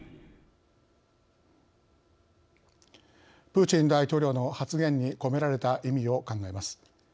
プーチン大統領の発言に込められた意味を考えます。